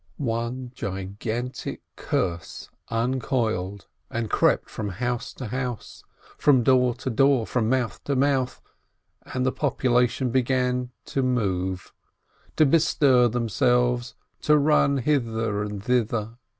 One gigantic curse un coiled and crept from house to house, from door to door, from mouth to mouth, and the population began to move, to bestir themselves, to run hither and thither.